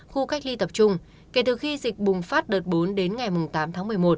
khu cách ly tập trung kể từ khi dịch bùng phát đợt bốn đến ngày tám tháng một mươi một